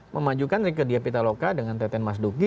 memajukan ke d p t l o k a dengan t t n mas duki